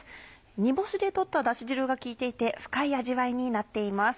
煮干しで取ったダシ汁が効いていて深い味わいになっています。